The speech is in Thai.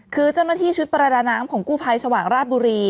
คือเจ้าหน้าที่ชุดประดาน้ำของกู้ภัยสว่างราชบุรี